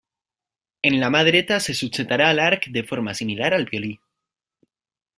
Amb la mà dreta, se subjectarà l’arc de forma similar al violí.